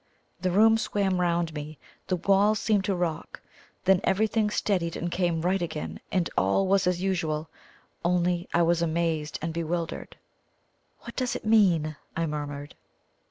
The room swam round me; the walls seemed to rock; then everything steadied and came right again, and all was as usual, only I was amazed and bewildered. "What does it mean?" I murmured.